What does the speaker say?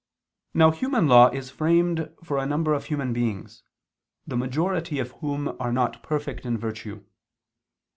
Now human law is framed for a number of human beings, the majority of whom are not perfect in virtue.